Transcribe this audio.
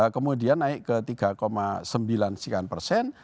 kemudian naik ke tiga sembilan sekian persen